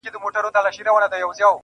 هغې ويله چي برزخ د زندگۍ نه غواړم~